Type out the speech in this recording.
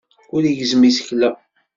Ur igezzem isekla.